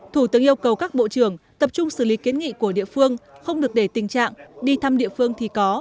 thủ tướng yêu cầu các bộ trưởng tập trung xử lý kiến nghị của địa phương không được để tình trạng đi thăm địa phương thì có